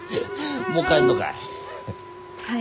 もう帰んのかい？